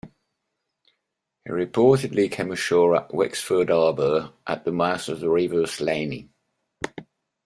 He reportedly came ashore at Wexford Harbour at the mouth of the River Slaney.